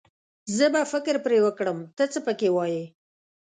زه به فکر پرې وکړم، ته څه پکې وايې.